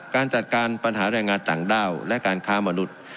การจัดการปัญหาแรงงานต่างด้าวและการค้ามนุษย์